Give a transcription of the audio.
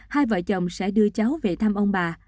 hai vợ chồng sẽ đưa cháu về thăm ông bà